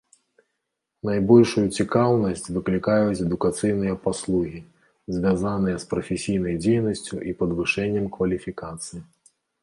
Найбольшую цікаўнасць выклікаюць адукацыйныя паслугі, звязаныя з прафесійнай дзейнасцю і падвышэннем кваліфікацыі.